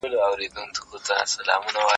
کله ژبه راپېدا شي، خبرې روانې کېږي.